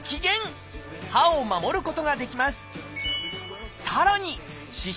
歯を守ることができます。